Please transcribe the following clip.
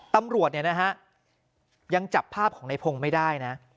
ตำรวจยังจับภาพของนายพงศ์ไม่ได้นะ